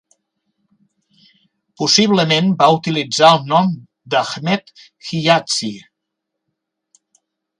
Possiblement va utilitzar el nom d'"Ahmed Hijazi".